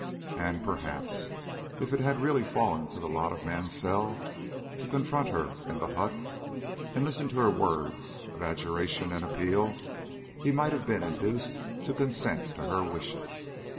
"And, perhaps, if it had really fallen to the lot of Mansell to confront her in the hut and listen to her words of adjuration and appeal, he might have been induced to consent to her wishes.